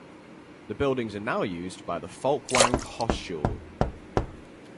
The buildings are now used by the Folkwang Hochschule.